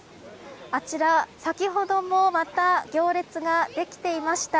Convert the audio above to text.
あちら、先ほどもまた行列ができていました。